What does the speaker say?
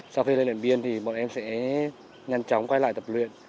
sau khi lên điện biên thì bọn em sẽ nhanh chóng quay lại tập luyện